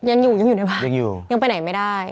ยังอยู่ยังอยู่ในบ้านยังอยู่ยังไปไหนไม่ได้